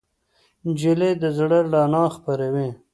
نجلۍ له زړه رڼا خپروي.